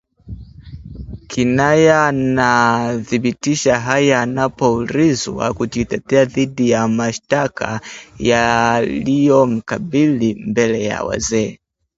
Kinaya anadhibitisha haya anapoulizwa kujitetea dhidi ya mashtaka yaliyomkabili mbele ya wazee